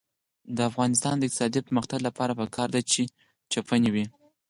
د افغانستان د اقتصادي پرمختګ لپاره پکار ده چې چپنې وي.